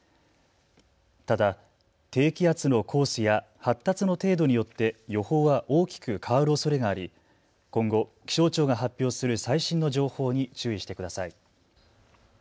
ただ、低気圧のコースや発達の程度によって予報は大きく変わるおそれがあり今後、気象庁が発表する最新の情報に注意してください。